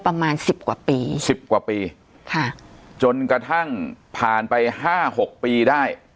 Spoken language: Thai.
ประมาณสิบกว่าปีสิบกว่าปีค่ะจนกระทั่งผ่านไปห้าหกปีได้